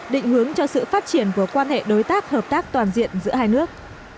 định hướng cho sự phát triển của quan hệ đối tác hợp tác toàn diện giữa hai nước